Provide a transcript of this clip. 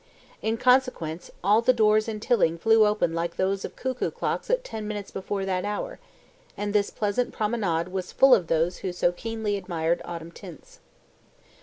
In consequence, all the doors in Tilling flew open like those of cuckoo clocks at ten minutes before that hour, and this pleasant promenade was full of those who so keenly admired autumn tints.